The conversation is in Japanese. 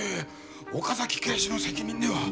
岡崎警視の責任では。